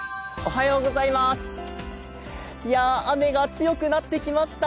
雨が強くなってきました。